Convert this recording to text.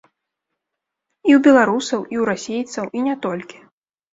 І ў беларусаў, і ў расейцаў, і не толькі.